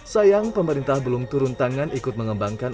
sayang pemerintah belum turun tangan ikut mengembangkan